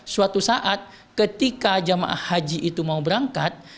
suatu saat ketika jemaah haji itu mau berangkat